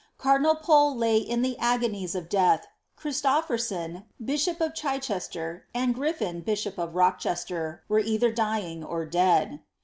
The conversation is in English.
Cardinal Pcue lay in the agonies of death; Christopherson, bishop of Chichester, and Griffin, bishop of Rochester^ were either dying or dead.